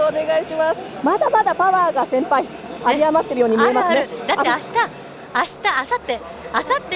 まだまだパワーが、先輩有り余っているように見えますね。